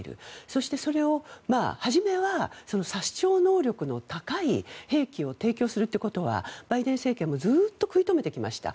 そして、それを初めは殺傷能力の高い兵器を提供するということはバイデン政権はずっと食い止めてきました。